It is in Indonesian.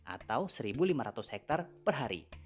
atau satu lima ratus hektare per hari